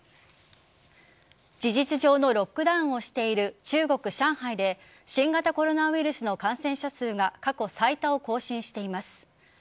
事実上のロックダウンをしている中国・上海で新型コロナウイルスの感染者数が過去最多を更新しています。